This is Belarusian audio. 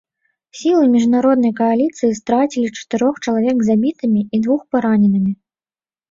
Сілы міжнароднай кааліцыі страцілі чатырох чалавек забітымі і двух параненымі.